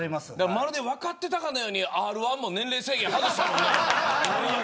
まるで分かっていたかのようにＲ−１も年齢制限外したもんね。